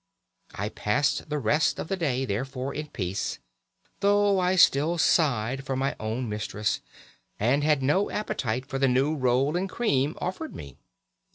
I passed the rest of the day, therefore, in peace, though I still sighed for my own mistress, and had no appetite for the new roll and cream offered me.